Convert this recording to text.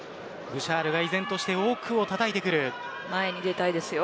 ブシャールが依然として奥をたたいてきます。